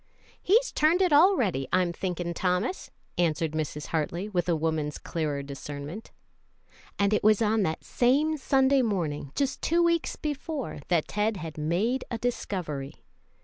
"He's turned it already, I'm thinking, Thomas," answered Mrs. Hartley, with a woman's clearer discernment. And it was on that same Sunday morning, just two weeks before, that Ted had made a discovery.